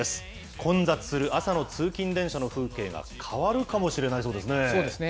混雑する朝の通勤電車の風景が変わるかもしれないそうですね。